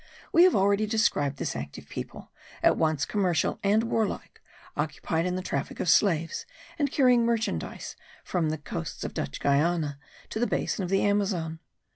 We have already described this active people, at once commercial and warlike, occupied in the traffic of slaves, and carrying merchandize from the coasts of Dutch Guiana to the basin of the Amazon.